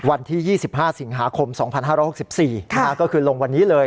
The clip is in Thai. วันที่๒๕สิงหาคม๒๕๖๔ก็คือลงวันนี้เลย